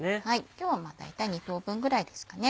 今日はだいたい２等分ぐらいですかね。